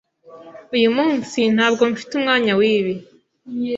Uyu munsi, ntabwo mfite umwanya wibi.